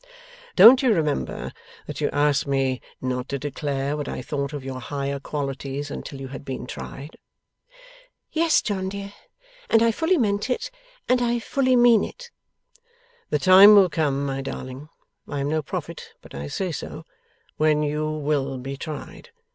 Don't you remember that you asked me not to declare what I thought of your higher qualities until you had been tried?' 'Yes, John dear. And I fully meant it, and I fully mean it.' 'The time will come, my darling I am no prophet, but I say so, when you WILL be tried.